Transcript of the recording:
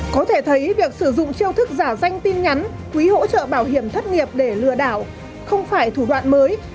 có thể thấy việc sử dụng chiêu thức giả danh tin nhắn quý hỗ trợ bảo hiểm thất nghiệp để lừa đảo không phải thủ đoạn mới